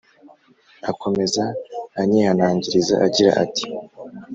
akomeza anyihanangiriza agira ati